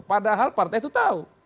padahal partai itu tahu